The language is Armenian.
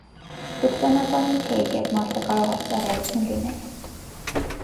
Դուք ճանապարհին չէիք, երբ մարտը կարող էր ծառայություն լինել։